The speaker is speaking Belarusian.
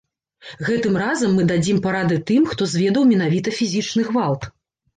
Гэтым разам мы дадзім парады тым, хто зведаў менавіта фізічны гвалт.